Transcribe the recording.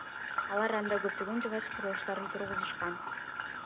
Алар анда көптөгөн жыгач курулуштарын тургузушкан.